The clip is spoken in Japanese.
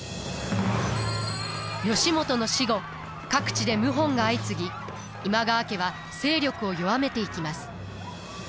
義元の死後各地で謀反が相次ぎ今川家は勢力を弱めていきます。